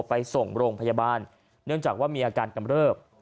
ไปส่งโรงพยาบาลเนื่องจากว่ามีอาการกำเริบ